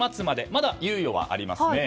まだ猶予はありますね。